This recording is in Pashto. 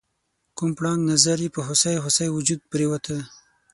کوم پړانګ نظر یې په هوسۍ هوسۍ وجود پریوته؟